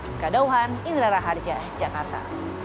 sekadauhan indra raharja jakarta